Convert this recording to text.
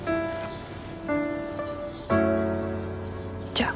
じゃあ。